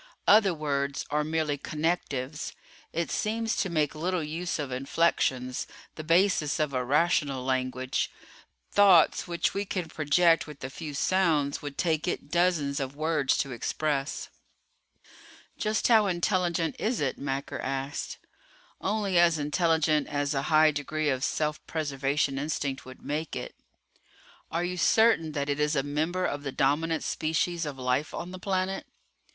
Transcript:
Other words are merely connectives. It seems to make little use of inflections, the basis of a rational language. Thoughts which we can project with a few sounds would take it dozens of words to express." "Just how intelligent is it?" Macker asked. "Only as intelligent as a high degree of self preservation instinct would make it." "Are you certain that it is a member of the dominant species of life on the planet?"